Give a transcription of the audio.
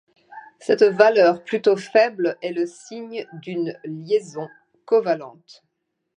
Cette valeur plutôt faible est le signe d'une liaison covalente.